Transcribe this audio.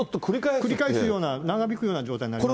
繰り返すような、長引くような状態になりますね。